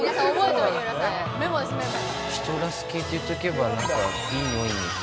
シトラス系って言っとけばいい匂い。